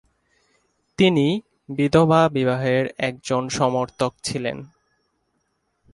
তিনি বিধবা বিবাহের একজন সমর্থক ছিলেন।